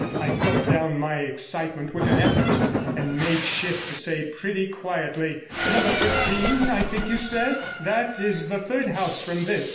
I gulped down my excitement with an effort, and made shift to say pretty quietly 'Number 15, 1 think you said? That is the third house from this.